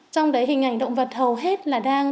trong đấy hình ảnh động vật hầu hết là đang